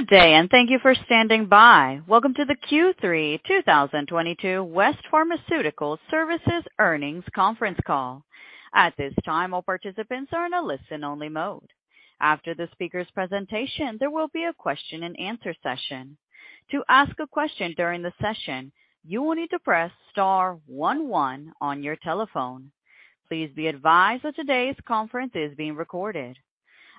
Good day, and thank you for standing by. Welcome to the Q3 2022 West Pharmaceutical Services earnings conference call. At this time, all participants are in a listen-only mode. After the speaker's presentation, there will be a question-and-answer session. To ask a question during the session, you will need to press star one one on your telephone. Please be advised that today's conference is being recorded.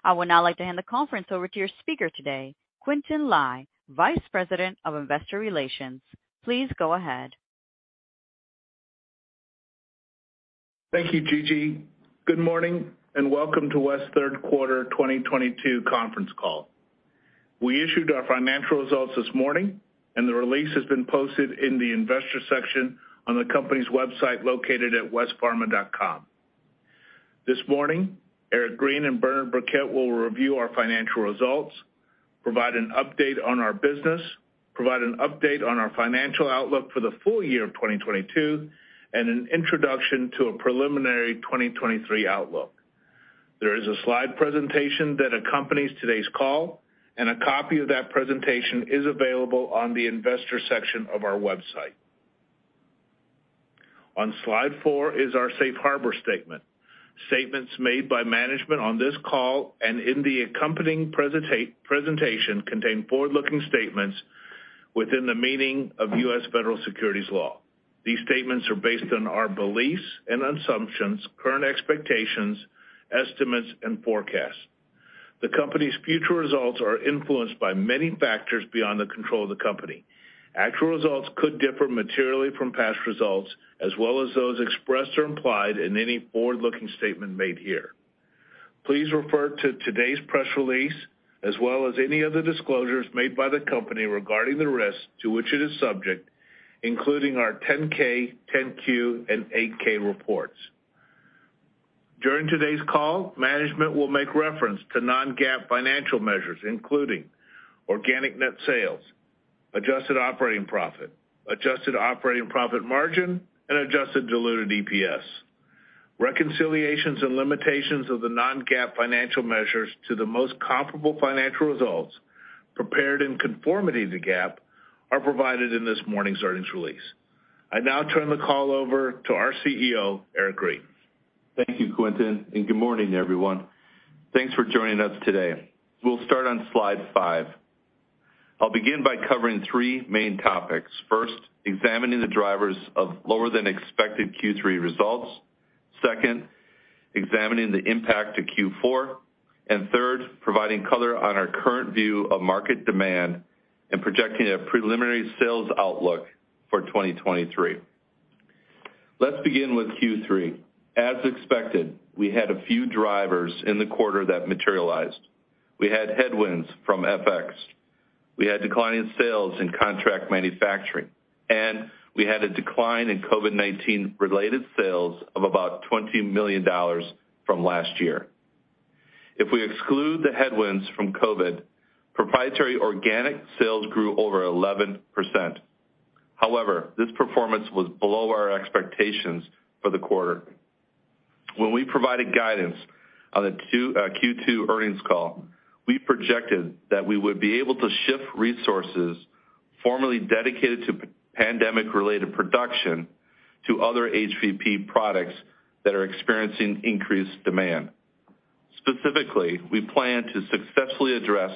I would now like to hand the conference over to your speaker today, Quintin Lai, Vice President of Investor Relations. Please go ahead. Thank you, Gigi. Good morning, and welcome to West's third quarter 2022 conference call. We issued our financial results this morning, and the release has been posted in the investor section on the company's website, located at westpharma.com. This morning, Eric Green and Bernard Birkett will review our financial results, provide an update on our business, provide an update on our financial outlook for the full year of 2022, and an introduction to a preliminary 2023 outlook. There is a slide presentation that accompanies today's call, and a copy of that presentation is available on the investor section of our website. On slide 4 is our safe harbor statement. Statements made by management on this call and in the accompanying presentation contain forward-looking statements within the meaning of U.S. federal securities laws. These statements are based on our beliefs and assumptions, current expectations, estimates, and forecasts. The company's future results are influenced by many factors beyond the control of the company. Actual results could differ materially from past results as well as those expressed or implied in any forward-looking statement made here. Please refer to today's press release as well as any other disclosures made by the company regarding the risks to which it is subject, including our Form 10-K, Form 10-Q, and Form 8-K reports. During today's call, management will make reference to non-GAAP financial measures, including organic net sales, adjusted operating profit, adjusted operating profit margin, and adjusted diluted EPS. Reconciliations and limitations of the non-GAAP financial measures to the most comparable financial results prepared in conformity to GAAP are provided in this morning's earnings release. I now turn the call over to our CEO, Eric Green. Thank you, Quintin, and good morning, everyone. Thanks for joining us today. We'll start on slide 5. I'll begin by covering three main topics. First, examining the drivers of lower-than-expected Q3 results. Second, examining the impact to Q4. Third, providing color on our current view of market demand and projecting a preliminary sales outlook for 2023. Let's begin with Q3. As expected, we had a few drivers in the quarter that materialized. We had headwinds from FX. We had declining sales in contract manufacturing, and we had a decline in COVID-19-related sales of about $20 million from last year. If we exclude the headwinds from COVID, proprietary organic sales grew over 11%. However, this performance was below our expectations for the quarter. When we provided guidance on the Q2 earnings call, we projected that we would be able to shift resources formerly dedicated to pandemic-related production to other HVP products that are experiencing increased demand. Specifically, we plan to successfully address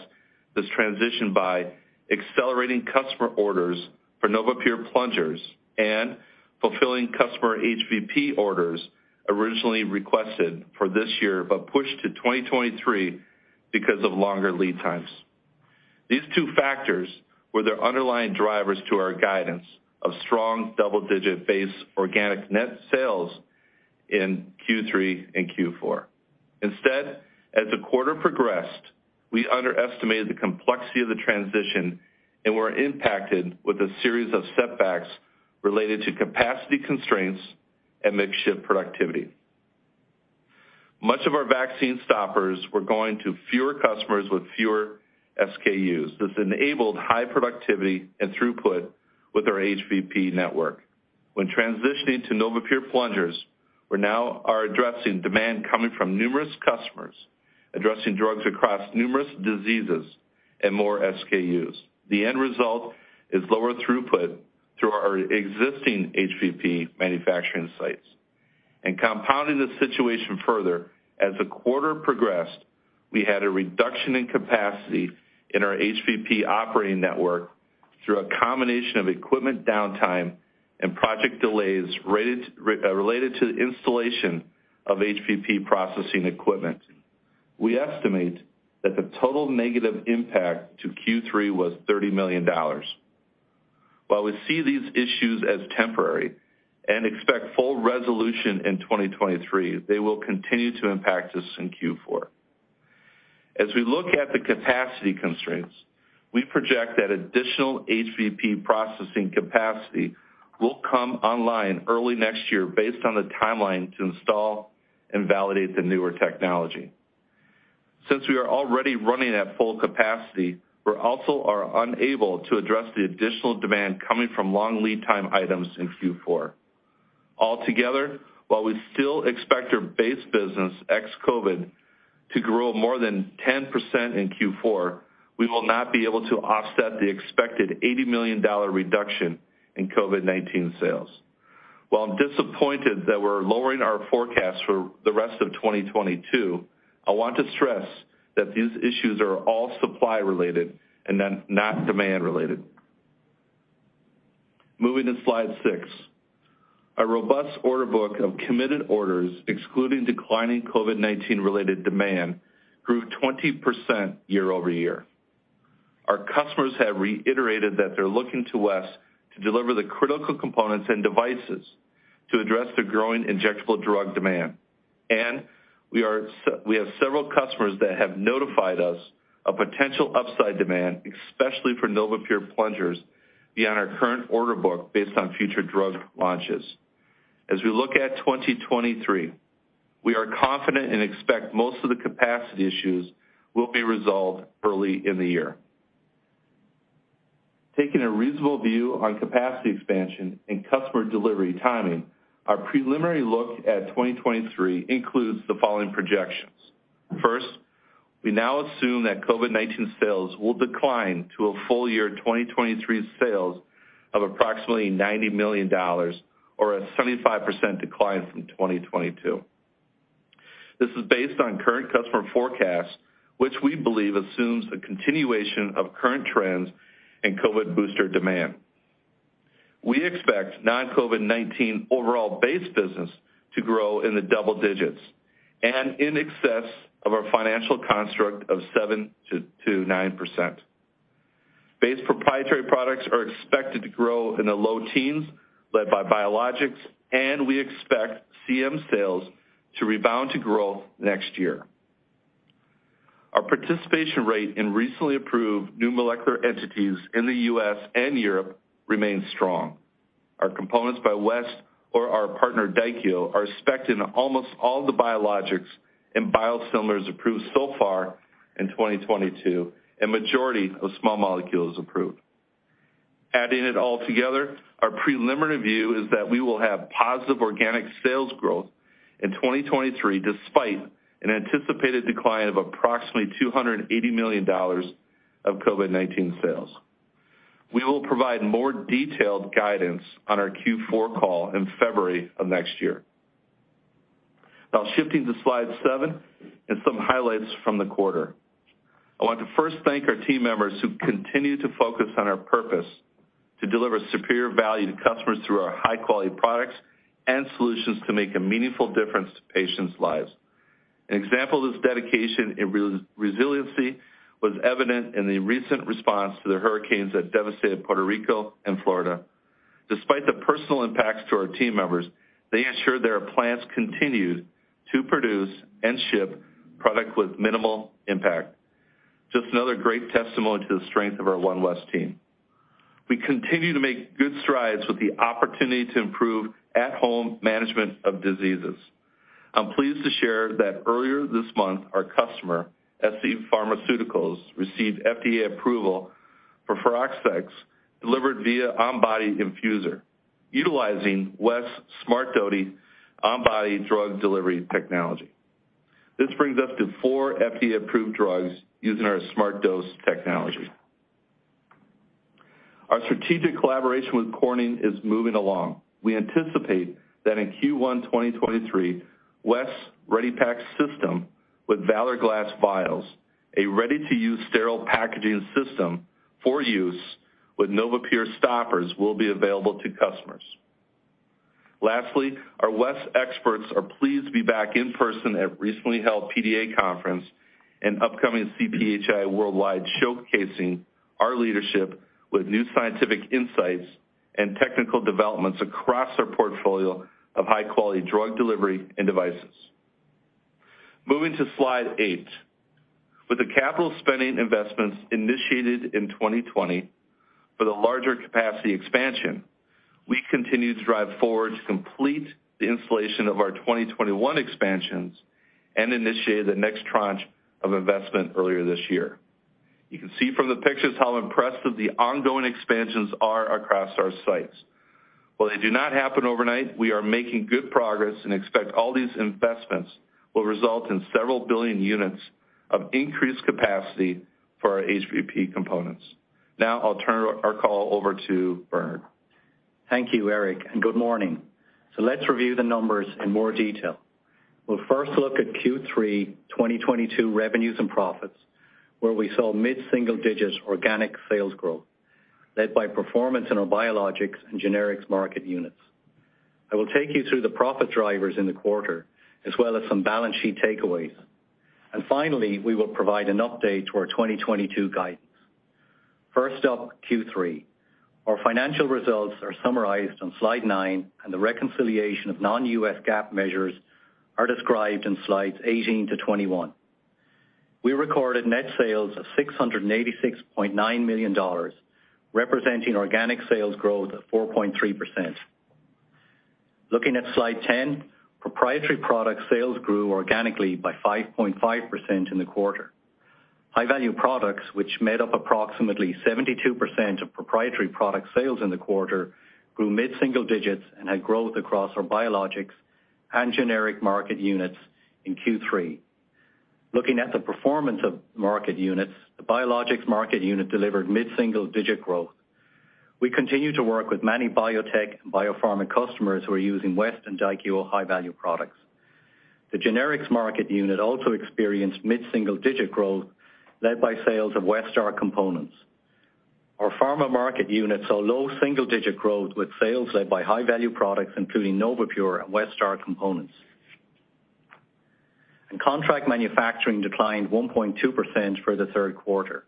this transition by accelerating customer orders for NovaPure plungers and fulfilling customer HVP orders originally requested for this year, but pushed to 2023 because of longer lead times. These two factors were the underlying drivers to our guidance of strong double-digit base organic net sales in Q3 and Q4. Instead, as the quarter progressed, we underestimated the complexity of the transition and were impacted with a series of setbacks related to capacity constraints and mixed shift productivity. Much of our vaccine stoppers were going to fewer customers with fewer SKUs. This enabled high productivity and throughput with our HVP network. When transitioning to NovaPure plungers, we now are addressing demand coming from numerous customers, addressing drugs across numerous diseases and more SKUs. The end result is lower throughput through our existing HVP manufacturing sites. Compounding the situation further, as the quarter progressed, we had a reduction in capacity in our HVP operating network through a combination of equipment downtime and project delays related to the installation of HVP processing equipment. We estimate that the total negative impact to Q3 was $30 million. While we see these issues as temporary and expect full resolution in 2023, they will continue to impact us in Q4. As we look at the capacity constraints, we project that additional HVP processing capacity will come online early next year based on the timeline to install and validate the newer technology. Since we are already running at full capacity, we also are unable to address the additional demand coming from long lead time items in Q4. Altogether, while we still expect our base business ex-COVID to grow more than 10% in Q4, we will not be able to offset the expected $80 million reduction in COVID-19 sales. While I'm disappointed that we're lowering our forecast for the rest of 2022, I want to stress that these issues are all supply-related and not demand-related. Moving to slide 6. Our robust order book of committed orders, excluding declining COVID-19-related demand, grew 20% year-over-year. Our customers have reiterated that they're looking to West to deliver the critical components and devices to address the growing injectable drug demand. We have several customers that have notified us of potential upside demand, especially for NovaPure plungers, beyond our current order book based on future drug launches. As we look at 2023, we are confident and expect most of the capacity issues will be resolved early in the year. Taking a reasonable view on capacity expansion and customer delivery timing, our preliminary look at 2023 includes the following projections. First, we now assume that COVID-19 sales will decline to a full year 2023 sales of approximately $90 million or a 75% decline from 2022. This is based on current customer forecasts, which we believe assumes the continuation of current trends in COVID booster demand. We expect non-COVID-19 overall base business to grow in the double digits and in excess of our financial construct of 7%-9%. Base proprietary products are expected to grow in the low teens, led by biologics, and we expect CM sales to rebound to growth next year. Our participation rate in recently approved new molecular entities in the U.S. and Europe remains strong. Our components by West or our partner, Daikyo, are expecting almost all the biologics and biosimilars approved so far in 2022, and majority of small molecules approved. Adding it all together, our preliminary view is that we will have positive organic sales growth in 2023, despite an anticipated decline of approximately $280 million of COVID-19 sales. We will provide more detailed guidance on our Q4 call in February of next year. Now shifting to slide 7 and some highlights from the quarter. I want to first thank our team members who continue to focus on our purpose to deliver superior value to customers through our high-quality products and solutions to make a meaningful difference to patients' lives. An example of this dedication and resiliency was evident in the recent response to the hurricanes that devastated Puerto Rico and Florida. Despite the personal impacts to our team members, they ensured their plants continued to produce and ship product with minimal impact. Just another great testimony to the strength of our One West Team. We continue to make good strides with the opportunity to improve at home management of diseases. I'm pleased to share that earlier this month, our customer, scPharmaceuticals, received FDA approval for Furoscix delivered via on-body infuser utilizing West's SmartDose on-body drug delivery technology. This brings us to 4 FDA-approved drugs using our SmartDose technology. Our strategic collaboration with Corning is moving along. We anticipate that in Q1 2023, West's Ready Pack system with Valor glass vials, a ready-to-use sterile packaging system for use with NovaPure stoppers, will be available to customers. Lastly, our West experts are pleased to be back in person at recently held PDA Conference and upcoming CPhI Worldwide, showcasing our leadership with new scientific insights and technical developments across our portfolio of high-quality drug delivery and devices. Moving to slide 8. With the capital spending investments initiated in 2020 for the larger capacity expansion, we continue to drive forward to complete the installation of our 2021 expansions and initiate the next tranche of investment earlier this year. You can see from the pictures how impressive the ongoing expansions are across our sites. While they do not happen overnight, we are making good progress and expect all these investments will result in several billion units of increased capacity for our HVP components. Now I'll turn our call over to Bernard. Thank you, Eric, and good morning. Let's review the numbers in more detail. We'll first look at Q3 2022 revenues and profits, where we saw mid-single digits organic sales growth, led by performance in our Biologics and Generics market units. I will take you through the profit drivers in the quarter, as well as some balance sheet takeaways. Finally, we will provide an update to our 2022 guidance. First up, Q3. Our financial results are summarized on slide 9, and the reconciliation of non-GAAP measures are described in slides 18 to 21. We recorded net sales of $686.9 million, representing organic sales growth of 4.3%. Looking at slide 10, proprietary product sales grew organically by 5.5% in the quarter. High-value products, which made up approximately 72% of proprietary product sales in the quarter, grew mid-single digits and had growth across our Biologics and Generics market units in Q3. Looking at the performance of market units, the Biologics market unit delivered mid-single-digit growth. We continue to work with many biotech and biopharma customers who are using West and Daikyo high-value products. The Generics market unit also experienced mid-single-digit growth, led by sales of Westar components. Our Pharma market unit saw low single-digit growth with sales led by high-value products including NovaPure and Westar components. Contract manufacturing declined 1.2% for the third quarter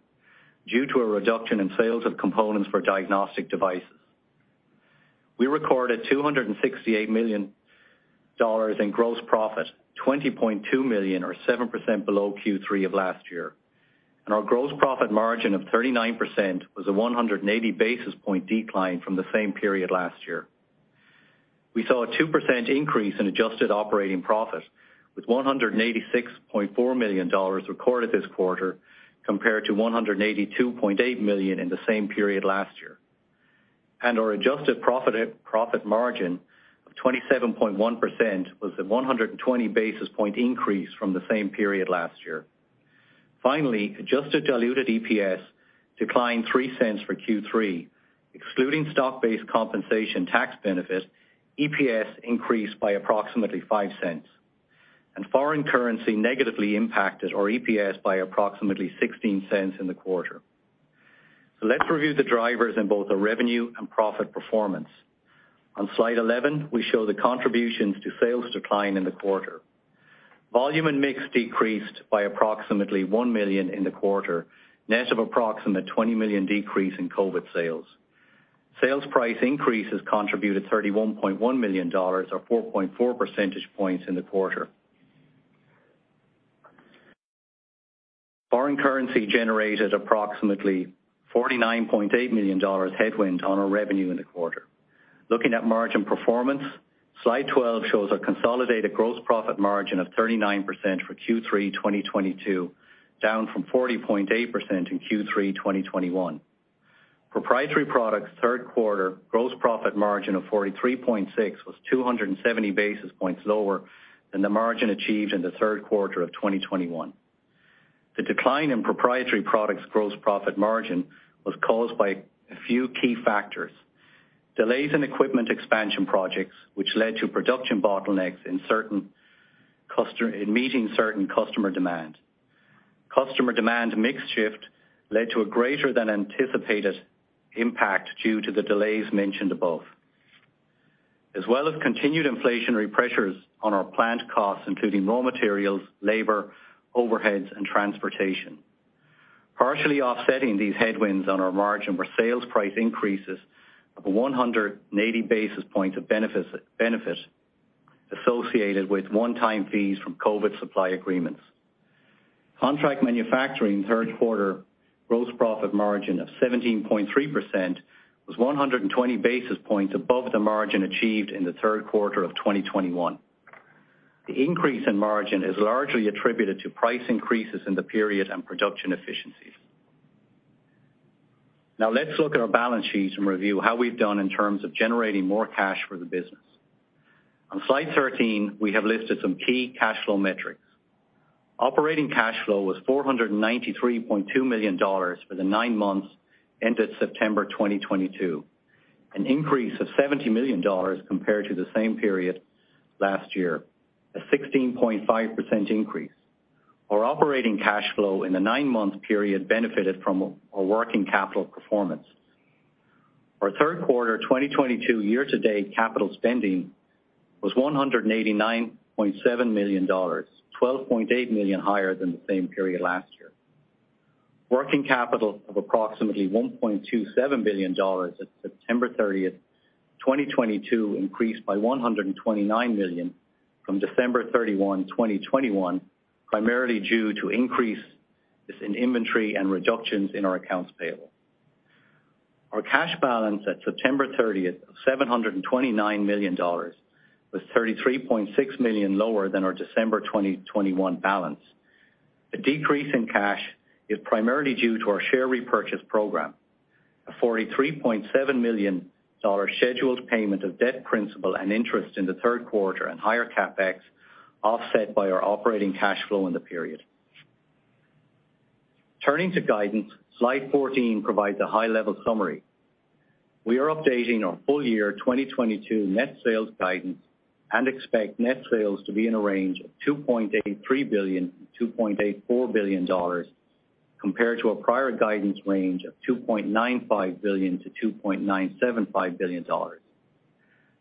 due to a reduction in sales of components for diagnostic devices. We recorded $268 million in gross profit, $20.2 million or 7% below Q3 of last year. Our gross profit margin of 39% was a 180 basis point decline from the same period last year. We saw a 2% increase in adjusted operating profit with $186.4 million recorded this quarter compared to $182.8 million in the same period last year. Our adjusted operating profit margin of 27.1% was a 120 basis point increase from the same period last year. Finally, adjusted diluted EPS declined $0.03 for Q3. Excluding stock-based compensation tax benefit, EPS increased by approximately $0.05, and foreign currency negatively impacted our EPS by approximately $0.16 in the quarter. Let's review the drivers in both the revenue and profit performance. On slide 11, we show the contributions to sales decline in the quarter. Volume and mix decreased by approximately $1 million in the quarter, net of an approximate $20 million decrease in COVID sales. Sales price increases contributed $31.1 million or 4.4 percentage points in the quarter. Foreign currency generated approximately $49.8 million headwind on our revenue in the quarter. Looking at margin performance, slide 12 shows a consolidated gross profit margin of 39% for Q3 2022, down from 40.8% in Q3 2021. Proprietary products' third quarter gross profit margin of 43.6% was 270 basis points lower than the margin achieved in the third quarter of 2021. The decline in proprietary products gross profit margin was caused by a few key factors. Delays in equipment expansion projects, which led to production bottlenecks in meeting certain customer demand. Customer demand mix shift led to a greater than anticipated impact due to the delays mentioned above. As well as continued inflationary pressures on our plant costs, including raw materials, labor, overheads, and transportation. Partially offsetting these headwinds on our margin were sales price increases of 180 basis points of benefits associated with one-time fees from COVID supply agreements. Contract manufacturing third quarter gross profit margin of 17.3% was 120 basis points above the margin achieved in the third quarter of 2021. The increase in margin is largely attributed to price increases in the period and production efficiencies. Now let's look at our balance sheets and review how we've done in terms of generating more cash for the business. On slide 13, we have listed some key cash flow metrics. Operating cash flow was $493.2 million for the nine months ended September 2022, an increase of $70 million compared to the same period last year, a 16.5% increase. Our operating cash flow in the nine-month period benefited from a working capital performance. Our third quarter 2022 year-to-date capital spending was $189.7 million, $12.8 million higher than the same period last year. Working capital of approximately $1.27 billion at September 30, 2022 increased by $129 million from December 31, 2021, primarily due to increases in inventory and reductions in our accounts payable. Our cash balance at September 30, $729 million, was $33.6 million lower than our December 2021 balance. The decrease in cash is primarily due to our share repurchase program, a $43.7 million scheduled payment of debt principal and interest in the third quarter and higher CapEx, offset by our operating cash flow in the period. Turning to guidance, slide 14 provides a high-level summary. We are updating our full year 2022 net sales guidance and expect net sales to be in a range of $2.83 billion-$2.84 billion compared to a prior guidance range of $2.95 billion-$2.975 billion.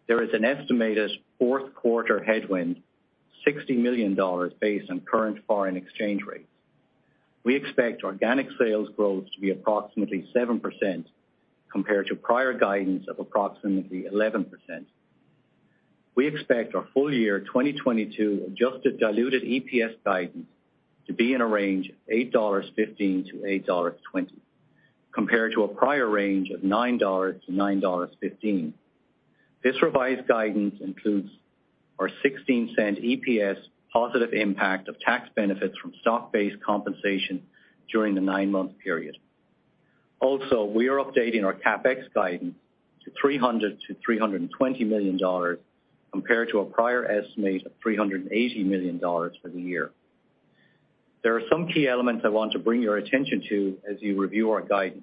There is an estimated fourth quarter headwind of $60 million based on current foreign exchange rates. We expect organic sales growth to be approximately 7% compared to prior guidance of approximately 11%. We expect our full year 2022 adjusted diluted EPS guidance to be in a range of $8.15-$8.20, compared to a prior range of $9-$9.15. This revised guidance includes our $0.16 EPS positive impact of tax benefits from stock-based compensation during the nine-month period. Also, we are updating our CapEx guidance to $300-$320 million compared to a prior estimate of $380 million for the year. There are some key elements I want to bring your attention to as you review our guidance.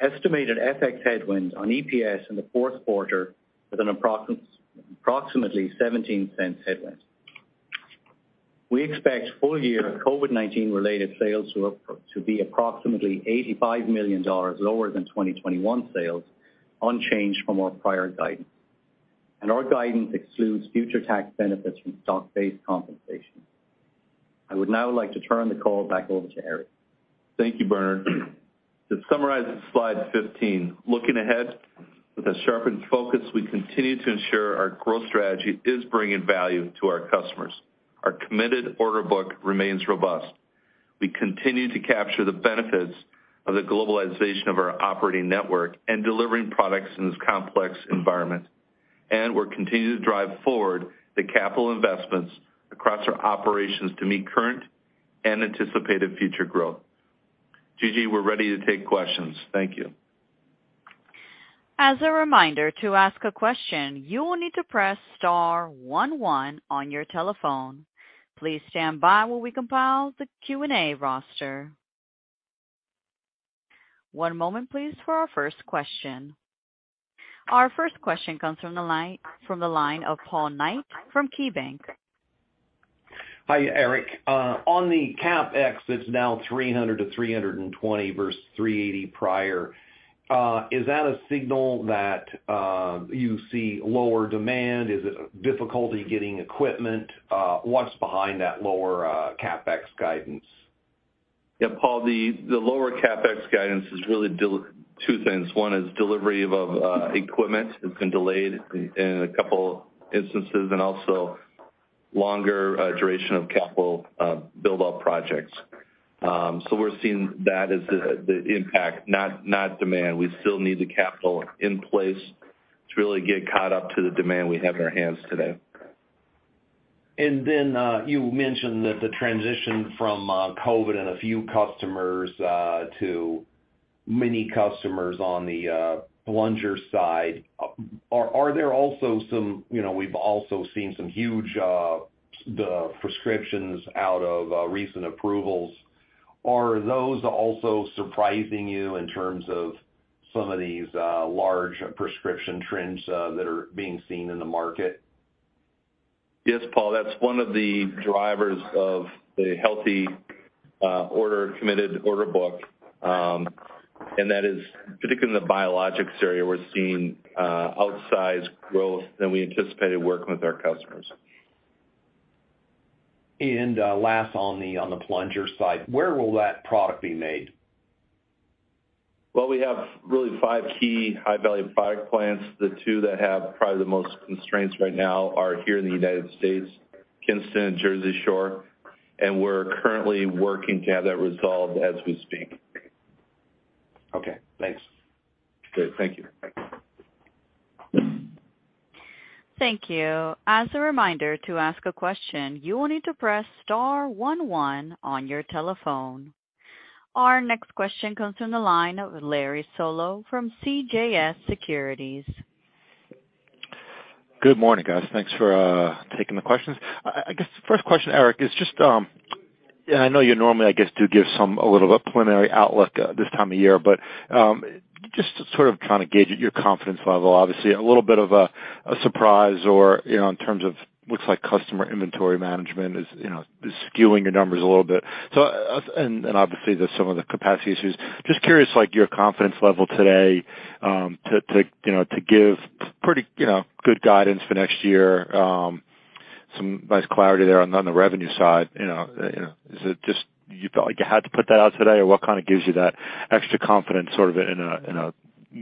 Estimated FX headwinds on EPS in the fourth quarter with an approximately 17 cents headwind. We expect full-year COVID-19 related sales to be approximately $85 million lower than 2021 sales, unchanged from our prior guidance. Our guidance excludes future tax benefits from stock-based compensation. I would now like to turn the call back over to Eric. Thank you, Bernard. To summarize slide 15, looking ahead with a sharpened focus, we continue to ensure our growth strategy is bringing value to our customers. Our committed order book remains robust. We continue to capture the benefits of the globalization of our operating network and delivering products in this complex environment. We're continuing to drive forward the capital investments across our operations to meet current and anticipated future growth. Gigi, we're ready to take questions. Thank you. As a reminder, to ask a question, you will need to press star one one on your telephone. Please stand by while we compile the Q&A roster. One moment please for our first question. Our first question comes from the line of Paul Knight from KeyBanc. Hi, Eric. On the CapEx, it's now $300-$320 versus $380 prior. Is that a signal that you see lower demand? Is it difficulty getting equipment? What's behind that lower CapEx guidance? Yeah, Paul, the lower CapEx guidance is really two things. One is delivery of equipment has been delayed in a couple instances and also longer duration of capital build-up projects. We're seeing that as the impact, not demand. We still need the capital in place to really get caught up to the demand we have in our hands today. You mentioned that the transition from COVID and a few customers to many customers on the plunger side. You know, we've also seen some huge prescriptions out of recent approvals. Are those also surprising you in terms of some of these large prescription trends that are being seen in the market? Yes, Paul, that's one of the drivers of the healthy order committed order book. That is particularly in the biologics area, we're seeing outsized growth than we anticipated working with our customers. Last on the plunger side, where will that product be made? Well, we have really five key high-value product plants. The two that have probably the most constraints right now are here in the United States, Kinston and Jersey Shore, and we're currently working to have that resolved as we speak. Okay, thanks. Great. Thank you. Thank you. As a reminder, to ask a question, you will need to press star one one on your telephone. Our next question comes from the line of Larry Solow from CJS Securities. Good morning, guys. Thanks for taking the questions. I guess the first question, Eric, is just, and I know you normally, I guess, do give some a little preliminary outlook this time of year, but just to sort of try to gauge your confidence level. Obviously a little bit of a surprise or, you know, in terms of looks like customer inventory management is, you know, skewing your numbers a little bit. So, and obviously there's some of the capacity issues. Just curious, like, your confidence level today, to you know, to give pretty, you know, good guidance for next year, some nice clarity there on the revenue side, you know. Is it just you felt like you had to put that out today or what kind of gives you that extra confidence sort of in a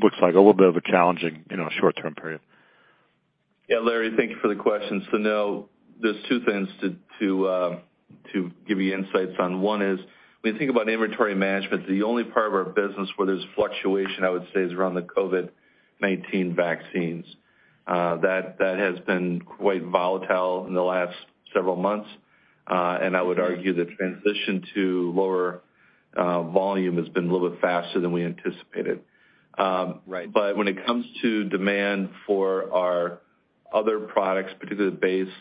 looks like a little bit of a challenging, you know, short-term period? Yeah, Larry, thank you for the question. No, there's two things to give you insights on. One is when you think about inventory management, the only part of our business where there's fluctuation, I would say, is around the COVID-19 vaccines. That has been quite volatile in the last several months. I would argue the transition to lower volume has been a little bit faster than we anticipated. Right. When it comes to demand for our other products, particularly the base,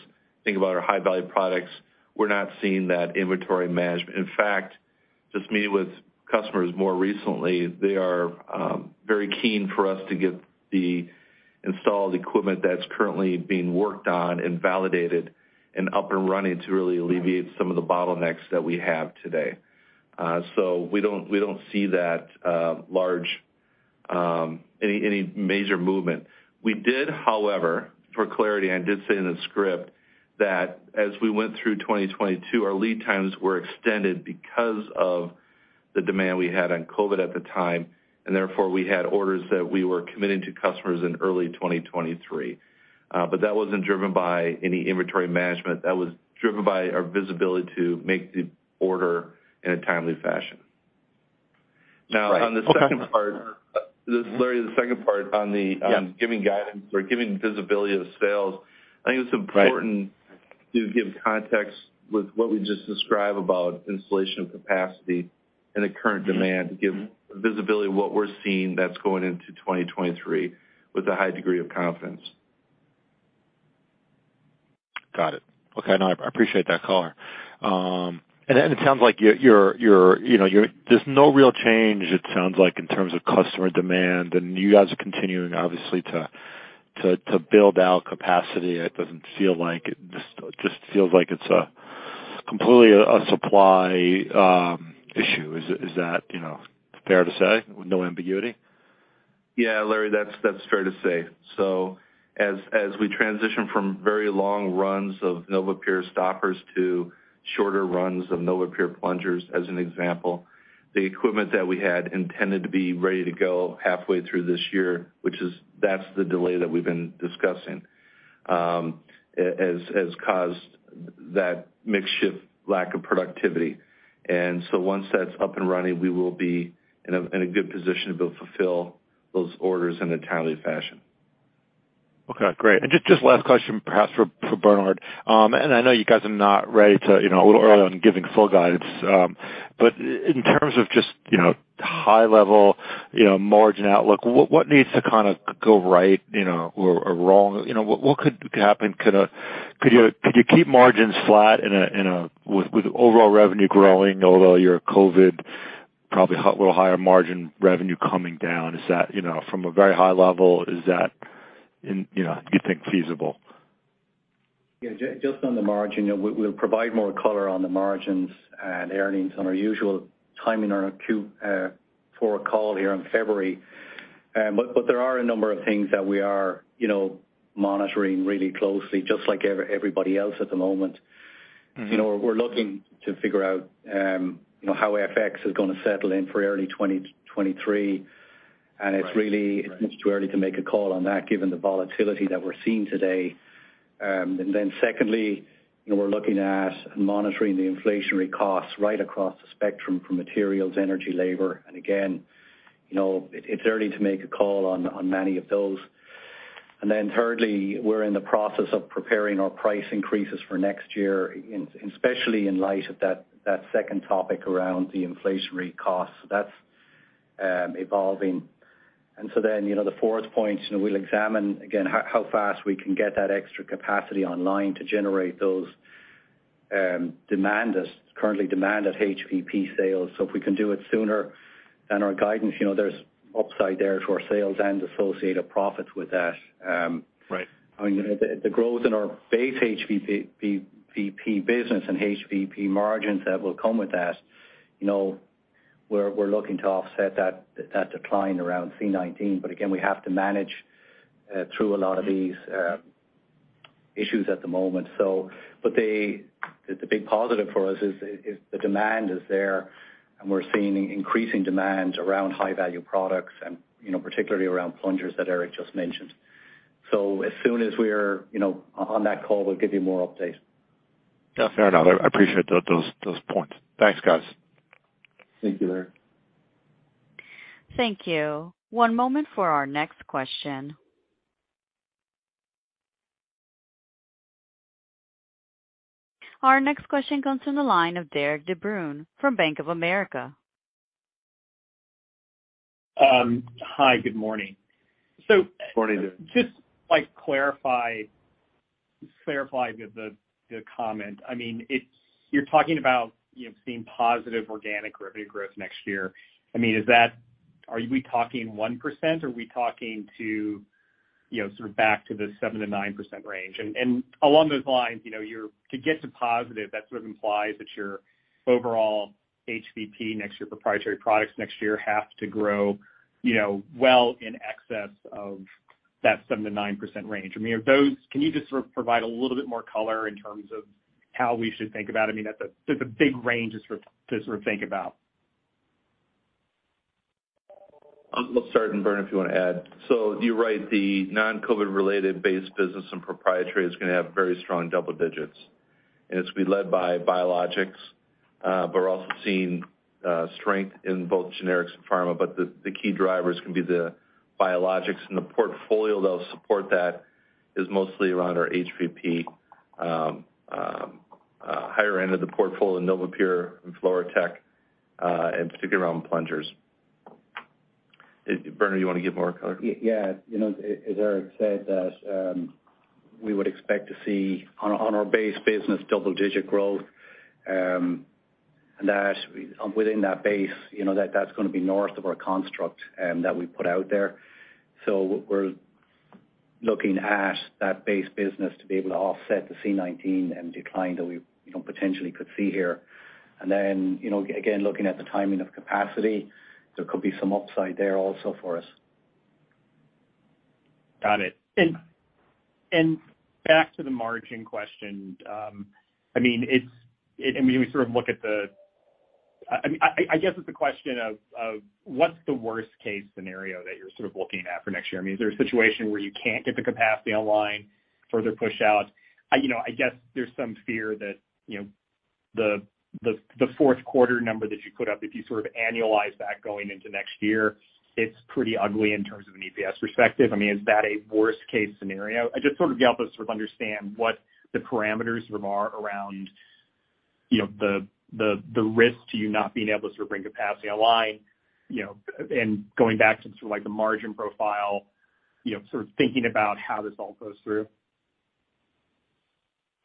think about our high-value products, we're not seeing that inventory management. In fact, just meeting with customers more recently, they are very keen for us to get the installed equipment that's currently being worked on and validated and up and running to really alleviate some of the bottlenecks that we have today. So we don't see any major movement. We did, however, for clarity, I did say in the script that as we went through 2022, our lead times were extended because of the demand we had on COVID at the time, and therefore, we had orders that we were committing to customers in early 2023. But that wasn't driven by any inventory management. That was driven by our visibility to make the order in a timely fashion. Now on the second part, this is Larry, the second part on the- Yes. on giving guidance or giving visibility of sales. I think it's important. Right. to give context with what we just described about installation capacity and the current demand to give visibility of what we're seeing that's going into 2023 with a high degree of confidence. Got it. Okay. No, I appreciate that color. It sounds like, you know, there's no real change, it sounds like in terms of customer demand, and you guys are continuing obviously to build out capacity. It doesn't feel like it. Just feels like it's completely a supply issue. Is that, you know, fair to say with no ambiguity? Yeah, Larry, that's fair to say. As we transition from very long runs of NovaPure stoppers to shorter runs of NovaPure plungers, as an example, the equipment that we had intended to be ready to go halfway through this year, which is the delay that we've been discussing, has caused that mix shift lack of productivity. Once that's up and running, we will be in a good position to be able to fulfill those orders in a timely fashion. Okay. Great. Just last question, perhaps for Bernard. I know you guys are not ready to, you know, a little early on giving full guidance. But in terms of just, you know, high level, you know, margin outlook, what needs to kind of go right, you know, or wrong? You know, what could happen? Could you keep margins flat with overall revenue growing, although your COVID probably a little higher margin revenue coming down, is that, you know, from a very high level, is that, you know, do you think feasible? Yeah, just on the margin, you know, we'll provide more color on the margins and earnings on our usual timing on our Q4 call here in February. There are a number of things that we are, you know, monitoring really closely just like everybody else at the moment. Mm-hmm. You know, we're looking to figure out, you know, how FX is gonna settle in for early 2023. Right. It's really, it's much too early to make a call on that given the volatility that we're seeing today. Secondly, you know, we're looking at and monitoring the inflationary costs right across the spectrum from materials, energy, labor. Again, you know, it's early to make a call on many of those. Thirdly, we're in the process of preparing our price increases for next year, especially in light of that second topic around the inflationary costs. That's evolving. The fourth point, you know, we'll examine again how fast we can get that extra capacity online to generate those current demand at HVP sales. If we can do it sooner than our guidance, you know, there's upside there to our sales and associated profits with that. Right. I mean, the growth in our base HVP, PPP business and HVP margins that will come with that, you know, we're looking to offset that decline around COVID-19, but again, we have to manage through a lot of these issues at the moment. The big positive for us is the demand is there, and we're seeing increasing demand around high value products and, you know, particularly around plungers that Eric just mentioned. As soon as we're, you know, on that call, we'll give you more updates. Yeah, fair enough. I appreciate those points. Thanks, guys. Thank you, Larry. Thank you. One moment for our next question. Our next question comes from the line of Derik De Bruin from Bank of America. Hi, good morning. Morning, Derik. Just clarify the comment. I mean, it's you're talking about, you know, seeing positive organic revenue growth next year. I mean, is that are we talking 1% or are we talking, you know, sort of back to the 7%-9% range? Along those lines, you know, you're to get to positive, that sort of implies that your overall HVP next year, proprietary products next year have to grow, you know, well in excess of that 7%-9% range. I mean, are those can you just sort of provide a little bit more color in terms of how we should think about it? I mean, that's a there's a big range to sort of think about. I'll start, and Bernard, if you wanna add. You're right, the non-COVID related base business and proprietary is gonna have very strong double digits, and it'll be led by biologics. We're also seeing strength in both generics and pharma. The key drivers can be the biologics and the portfolio that'll support that is mostly around our HVP, higher end of the portfolio, NovaPure and FluroTec, and particularly around plungers. Bernard, you wanna give more color? Yeah. You know, as Eric said that, we would expect to see on our base business double digit growth, and that within that base, you know, that that's gonna be north of our construct that we put out there. We're looking at that base business to be able to offset the COVID-19 and decline that we, you know, potentially could see here. You know, again, looking at the timing of capacity, there could be some upside there also for us. Got it. Back to the margin question. I guess it's a question of what's the worst case scenario that you're sort of looking at for next year? I mean, is there a situation where you can't get the capacity online? Further push out. You know, I guess there's some fear that, you know, the fourth quarter number that you put up, if you sort of annualize that going into next year, it's pretty ugly in terms of an EPS perspective. I mean, is that a worst case scenario? I just sort of help us sort of understand what the parameters are around, you know, the risk to you not being able to sort of bring capacity online, you know, and going back to sort of like the margin profile, you know, sort of thinking about how this all goes through.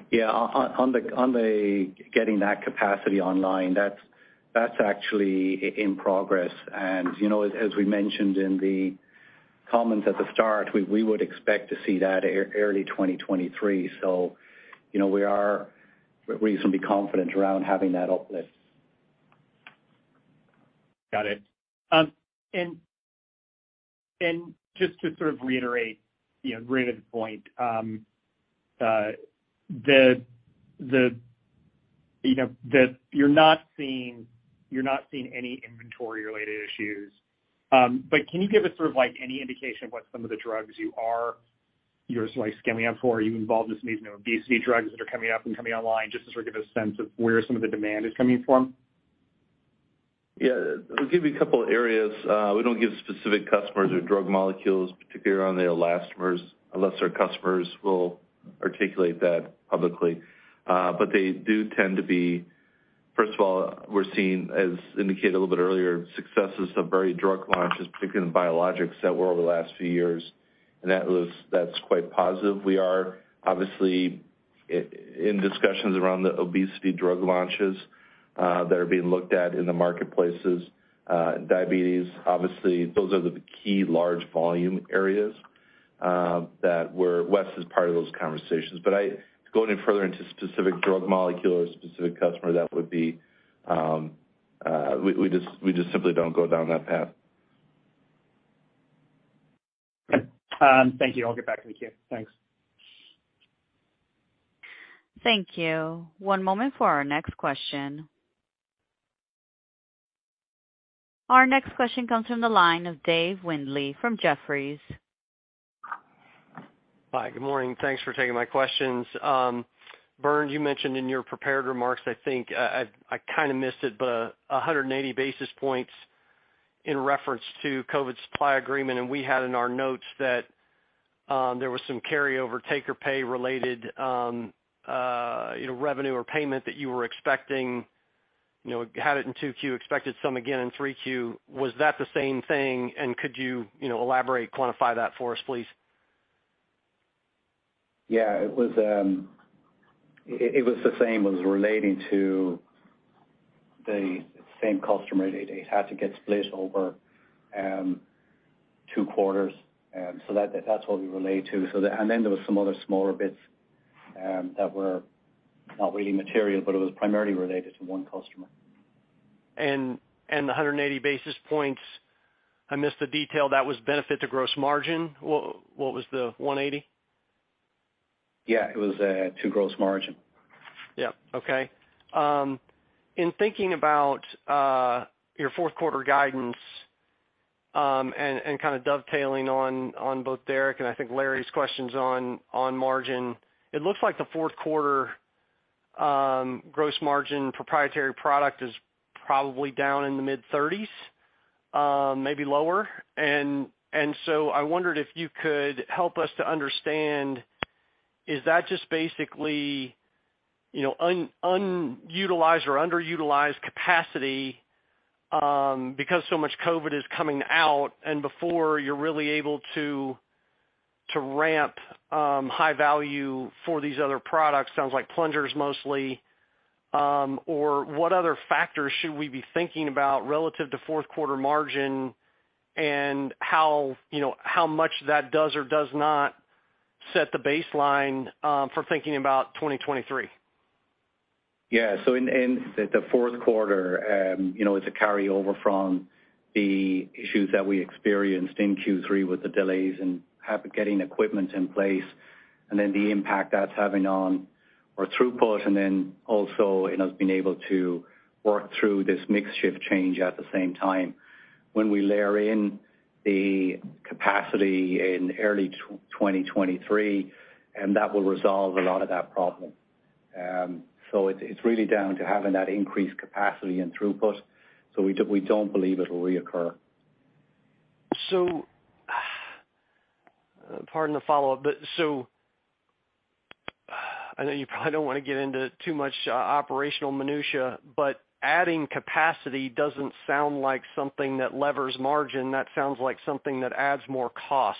Yeah. On the getting that capacity online, that's actually in progress. You know, as we mentioned in the comments at the start, we would expect to see that early 2023. You know, we are reasonably confident around having that uplift. Got it. Just to sort of reiterate, you know, Bernard Birkett's point, you're not seeing any inventory-related issues. Can you give us sort of like any indication of what some of the drugs you are scaling up for? Are you involved in some of these new obesity drugs that are coming up and coming online? Just to sort of give a sense of where some of the demand is coming from. Yeah. I'll give you a couple areas. We don't give specific customers or drug molecules, particularly around the elastomers, unless our customers will articulate that publicly. But they do tend to be. First of all, we're seeing, as indicated a little bit earlier, successes of varied drug launches, particularly in the biologics that were over the last few years. That's quite positive. We are obviously in discussions around the obesity drug launches that are being looked at in the marketplace. Diabetes, obviously, those are the key large volume areas that Wes is part of those conversations. But to go any further into specific drug molecule or specific customer, that would be, we just simply don't go down that path. Okay. Thank you. I'll get back in the queue. Thanks. Thank you. One moment for our next question. Our next question comes from the line of David Windley from Jefferies. Hi. Good morning. Thanks for taking my questions. Bern, you mentioned in your prepared remarks, I think, I kind of missed it, but 180 basis points in reference to COVID supply agreement, and we had in our notes that, there was some carryover take-or-pay related, you know, revenue or payment that you were expecting. You know, had it in 2Q, expected some again in 3Q. Was that the same thing? Could you know, elaborate, quantify that for us, please? Yeah, it was the same. It was relating to the same customer. It had to get split over two quarters. That's what we relate to. There was some other smaller bits that were not really material, but it was primarily related to one customer. 180 basis points, I missed the detail, that was benefit to gross margin. What was the 180? Yeah, it was to gross margin. Yeah. Okay. In thinking about your fourth quarter guidance and kind of dovetailing on both Derik and I think Larry's questions on margin, it looks like the fourth quarter gross margin proprietary product is probably down in the mid-30s%, maybe lower. I wondered if you could help us to understand, is that just basically, you know, underutilized capacity because so much COVID is coming out and before you're really able to ramp high value for these other products, sounds like plungers mostly. Or what other factors should we be thinking about relative to fourth quarter margin and how, you know, how much that does or does not set the baseline for thinking about 2023? Yeah. In the fourth quarter, you know, it's a carryover from the issues that we experienced in Q3 with the delays and getting equipment in place and then the impact that's having on our throughput and then also, you know, us being able to work through this mix shift change at the same time. When we layer in the capacity in early 2023 and that will resolve a lot of that problem. It's really down to having that increased capacity and throughput. We don't believe it'll reoccur. Pardon the follow-up. I know you probably don't want to get into too much operational minutia, but adding capacity doesn't sound like something that levers margin. That sounds like something that adds more cost.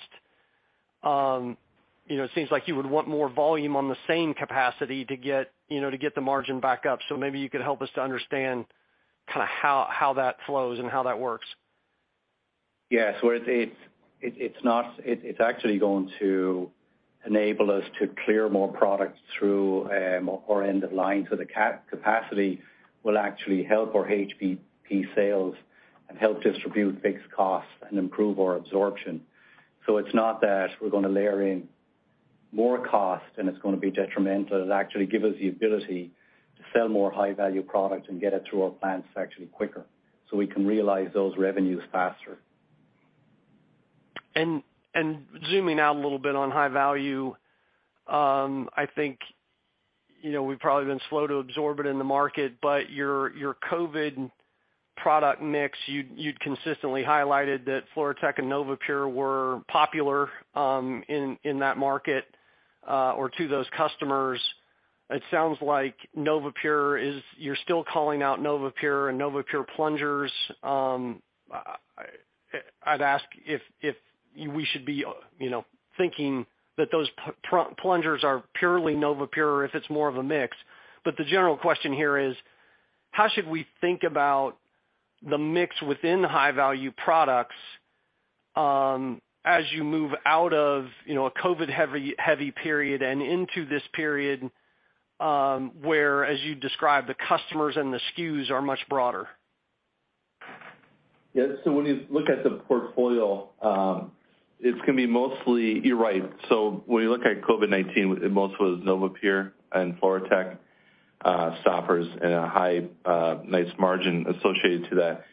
You know, it seems like you would want more volume on the same capacity to get, you know, to get the margin back up. Maybe you could help us to understand kind of how that flows and how that works. Yes. It's actually going to enable us to clear more products through our end of line. The capacity will actually help our HVP sales and help distribute fixed costs and improve our absorption. It's not that we're gonna layer in more cost and it's gonna be detrimental. It'll actually give us the ability to sell more high value product and get it through our plants actually quicker, so we can realize those revenues faster. Zooming out a little bit on high-value, I think, you know, we've probably been slow to absorb it in the market, but your COVID product mix, you'd consistently highlighted that FluroTec and NovaPure were popular, in that market, or to those customers. It sounds like NovaPure is. You're still calling out NovaPure and NovaPure plungers. I'd ask if we should be, you know, thinking that those plungers are purely NovaPure, or if it's more of a mix. The general question here is. How should we think about the mix within high-value products, as you move out of, you know, a COVID-heavy period and into this period, where, as you described, the customers and the SKUs are much broader? Yes. When you look at the portfolio, it's gonna be mostly. You're right. When you look at COVID-19, it mostly was NovaPure and FluroTec stoppers and a high nice margin associated to that.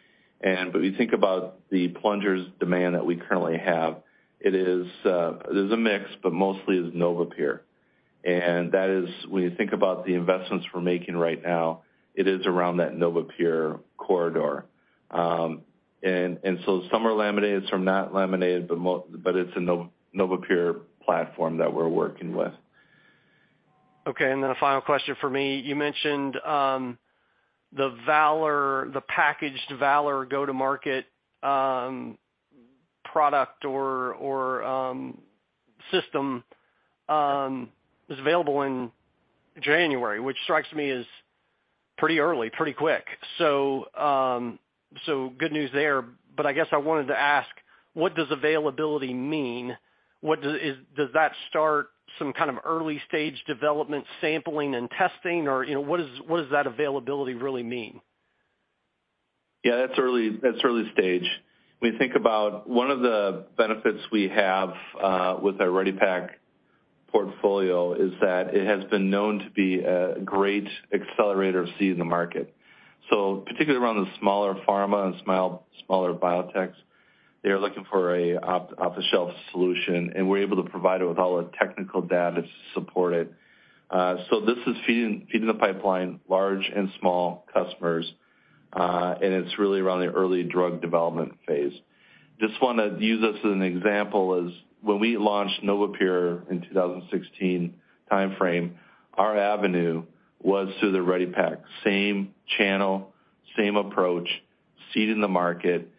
But we think about the plungers demand that we currently have, it is a mix, but mostly is NovaPure. That is, when you think about the investments we're making right now, it is around that NovaPure corridor. Some are laminated, some not laminated, but it's a NovaPure platform that we're working with. Okay. Then a final question for me. You mentioned the Valor, the packaged Valor go-to-market product or system was available in January, which strikes me as pretty early, pretty quick. Good news there, but I guess I wanted to ask: what does availability mean? What does does that start some kind of early-stage development sampling and testing? Or, you know, what does that availability really mean? Yeah, that's early stage. When you think about one of the benefits we have with our Ready Pack portfolio is that it has been known to be a great accelerator seed in the market. So particularly around the smaller pharma and smaller biotechs, they are looking for an off-the-shelf solution, and we're able to provide it with all the technical data to support it. So this is feeding the pipeline, large and small customers, and it's really around the early drug development phase. Just wanna use this as an example is when we launched NovaPure in 2016 timeframe, our avenue was through the Ready Pack, same channel, same approach, seed in the market.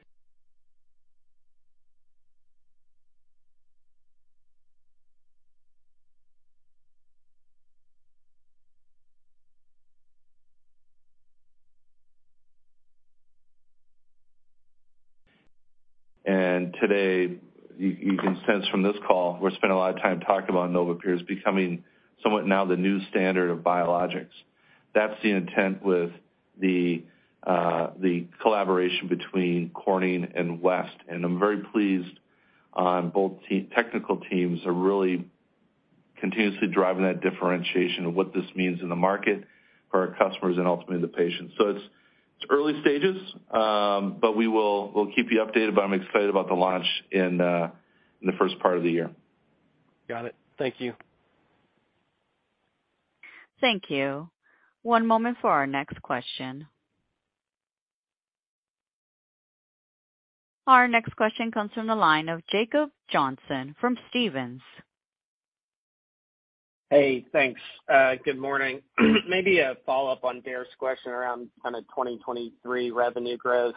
Today, you can sense from this call, we're spending a lot of time talking about NovaPure as becoming somewhat now the new standard of biologics. That's the intent with the collaboration between Corning and West. I'm very pleased both technical teams are really continuously driving that differentiation of what this means in the market for our customers and ultimately the patients. It's early stages, but we'll keep you updated, but I'm excited about the launch in the first part of the year. Got it. Thank you. Thank you. One moment for our next question. Our next question comes from the line of Jacob Johnson from Stephens. Hey, thanks. Good morning. Maybe a follow-up on Derik De Bruin's question around kind of 2023 revenue growth.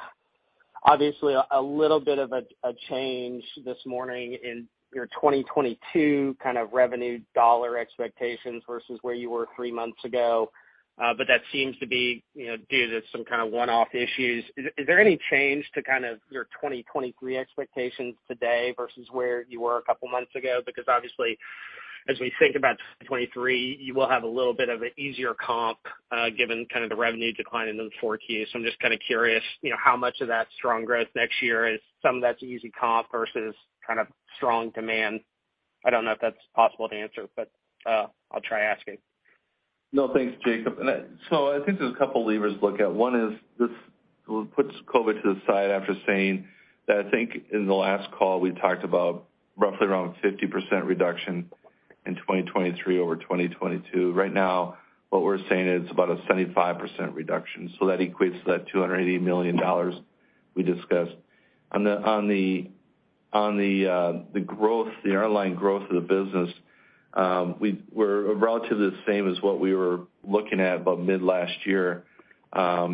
Obviously, a little bit of a change this morning in your 2022 kind of revenue dollar expectations versus where you were three months ago, but that seems to be, you know, due to some kind of one-off issues. Is there any change to kind of your 2023 expectations today versus where you were a couple months ago? Because obviously, as we think about 2023, you will have a little bit of an easier comp, given kind of the revenue decline in the fourth Q. So I'm just kind of curious, you know, how much of that strong growth next year is some of that easy comp versus kind of strong demand. I don't know if that's possible to answer, but I'll try asking. No, thanks, Jacob. I think there's a couple levers to look at. One is this. We'll put COVID to the side after saying that I think in the last call, we talked about roughly 50% reduction in 2023 over 2022. Right now, what we're saying is about a 75% reduction. That equates to that $280 million we discussed. On the growth, the underlying growth of the business, we're relatively the same as what we were looking at about mid last year, but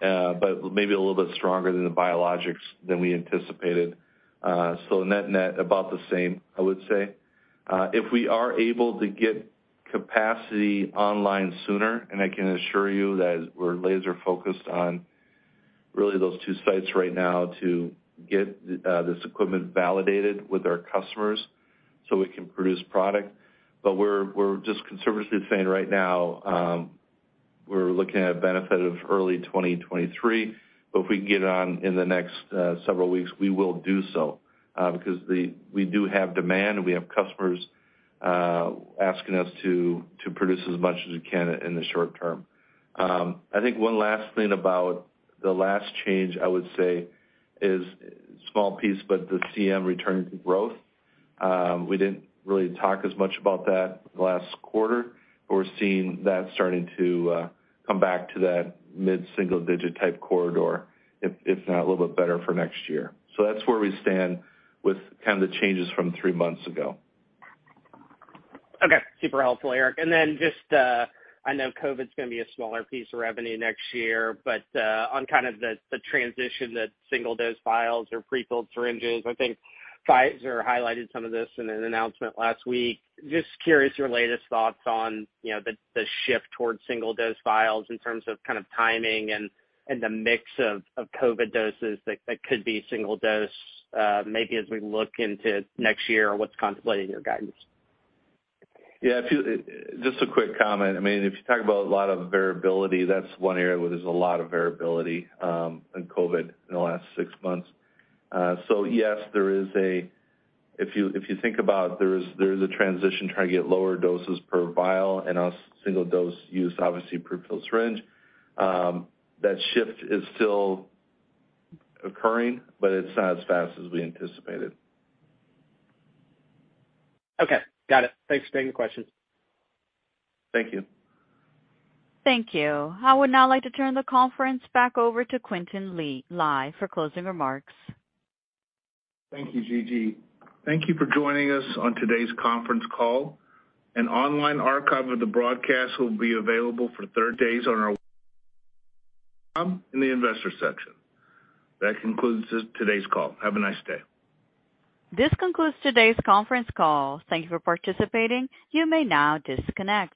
maybe a little bit stronger in biologics than we anticipated. Net net, about the same, I would say. If we are able to get capacity online sooner, and I can assure you that we're laser-focused on really those two sites right now to get this equipment validated with our customers so we can produce product. We're just conservatively saying right now, we're looking at benefit of early 2023, but if we can get on in the next several weeks, we will do so because we do have demand, and we have customers asking us to produce as much as we can in the short term. I think one last thing about the last change I would say is small piece, but the CM return to growth. We didn't really talk as much about that last quarter, but we're seeing that starting to come back to that mid-single digit type corridor, if not a little bit better for next year. That's where we stand with kind of the changes from three months ago. Okay, super helpful, Eric. Just, I know COVID's gonna be a smaller piece of revenue next year, but on kind of the transition that single-dose vials or prefilled syringes, I think Pfizer highlighted some of this in an announcement last week. Just curious, your latest thoughts on, you know, the shift towards single-dose vials in terms of kind of timing and the mix of COVID doses that could be single dose, maybe as we look into next year or what's contemplated in your guidance. Yeah. Just a quick comment. I mean, if you talk about a lot of variability, that's one area where there's a lot of variability in COVID in the last six months. So yes, there is. If you think about, there is a transition trying to get lower doses per vial and a single dose use, obviously prefilled syringe. That shift is still occurring, but it's not as fast as we anticipated. Okay. Got it. Thanks for taking the question. Thank you. Thank you. I would now like to turn the conference back over to Quintin Lai for closing remarks. Thank you, Gigi. Thank you for joining us on today's conference call. An online archive of the broadcast will be available for 30 days on our website in the Investors section. That concludes today's call. Have a nice day. This concludes today's conference call. Thank you for participating. You may now disconnect.